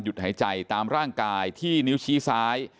แล้วก็ช่วยกันนำนายธีรวรรษส่งโรงพยาบาล